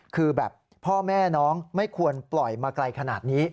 คือแบบพ่อแม่น้องไม่ควรปล่อยมาไกลขนาดนี้